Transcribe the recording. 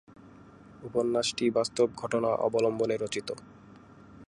উপন্যাসটি বাস্তব ঘটনা অবলম্বনে রচিত।